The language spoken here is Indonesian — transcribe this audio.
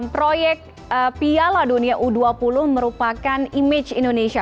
proyek piala dunia u dua puluh merupakan image indonesia